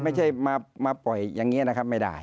ไม่ใช่มาปล่อยอย่างนี้นะครับไม่ได้